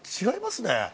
違いますね。